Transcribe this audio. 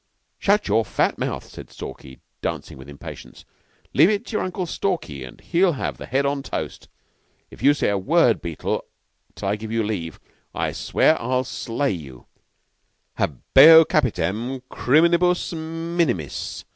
"Shut your fat mouth," said Stalky, dancing with impatience. "Leave it to your Uncle Stalky, and he'll have the Head on toast. If you say a word, Beetle, till I give you leave, I swear I'll slay you. _Habeo Capitem crinibus minimis.